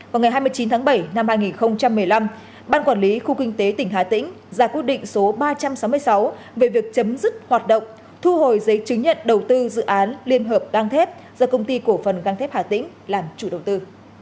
vào ngày hai mươi chín tháng bảy năm hai nghìn một mươi năm ban quản lý khu kinh tế tỉnh hà tĩnh ra quyết định số ba trăm sáu mươi sáu về việc chấm dứt hoạt động thu hồi giấy chứng nhận đầu tư dự án liên hợp găng thép do công ty cổ phần găng thép hà tĩnh làm chủ đầu tư